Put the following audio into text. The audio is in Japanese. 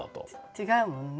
違うもんね。